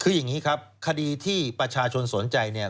คืออย่างนี้ครับคดีที่ประชาชนสนใจเนี่ย